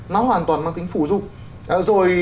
nó hoàn toàn mang tính phù dụng